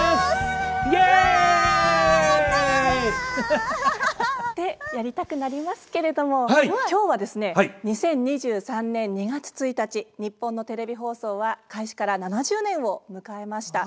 ハハハ！ってやりたくなりますけれども今日はですね２０２３年２月１日日本のテレビ放送は開始から７０年を迎えました。